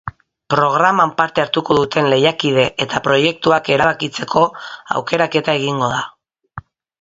Programan parte hartuko duten lehiakide eta proiektuak erabakitzeko aukeraketa egingo da.